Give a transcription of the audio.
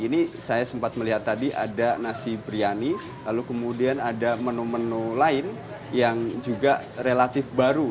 ini saya sempat melihat tadi ada nasi priani lalu kemudian ada menu menu lain yang juga relatif baru